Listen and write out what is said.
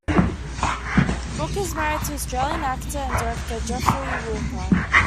Brooke is married to Australian actor and director Jeffrey Walker.